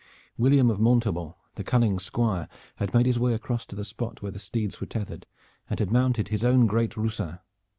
William of Montaubon, the cunning squire, had made his way across to the spot where the steeds were tethered, and had mounted his own great roussin.